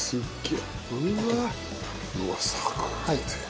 うわっサクッて。